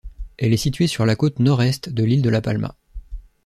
Elle est située sur la côte nord-est de l'île de La Palma.